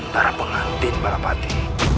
darah pengantin balap hati